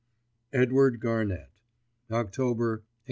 EDWARD GARNETT. _October 1898.